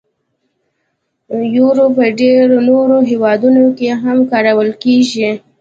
یورو په ډیری نورو هیوادونو کې هم کارول کېږي.